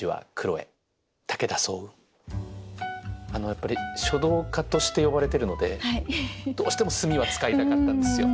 やっぱり書道家として呼ばれてるのでどうしても「墨」は使いたかったんですよ。